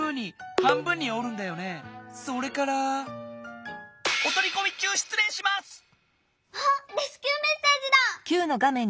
はっレスキューメッセージだ！